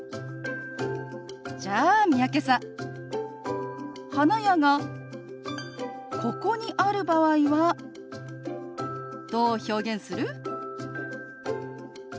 じゃあ三宅さん花屋がここにある場合はどう表現する？